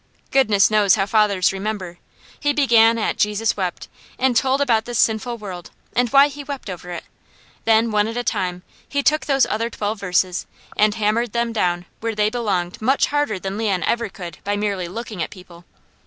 Goodness knows how fathers remember. He began at "Jesus wept" and told about this sinful world and why He wept over it; then one at a time he took those other twelve verses and hammered them down where they belonged much harder than Leon ever could by merely looking at people.